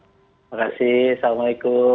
terima kasih assalamualaikum